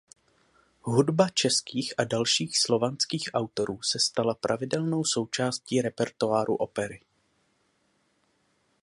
Hudba českých a dalších slovanských autorů se stala pravidelnou součástí repertoáru opery.